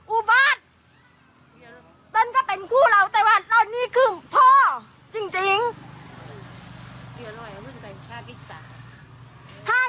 อุบาทตันก็เป็นคู่เราแต่ว่าตอนนี้คือพ่อจริงจริง